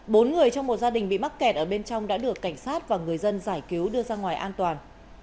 bốn người trong một gia đình bị mắc kẹt ở bên trong đã được cảnh sát và người dân giải cứu đưa ra ngoài an toàn